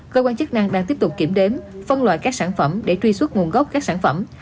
cơ quan chức năng đang tiếp tục kiểm đếm phân loại các sản phẩm để truy xuất nguồn gốc các sản phẩm